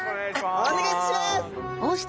お願いします！